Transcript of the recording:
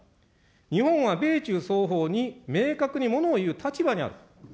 日本は米中双方に明確にものをいう立場にある。